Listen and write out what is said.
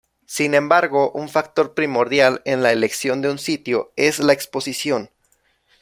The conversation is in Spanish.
Sin embargo, un factor primordial en la elección de un sitio es la exposición.